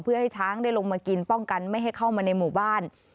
เพื่อให้ช้างได้ลงมากินป้องกันไม่ให้เข้ามาในหมู่บ้าน